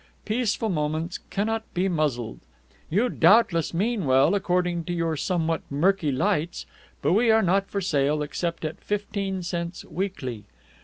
Peaceful Moments cannot be muzzled. You doubtless mean well, according to your somewhat murky lights, but we are not for sale, except at fifteen cents weekly.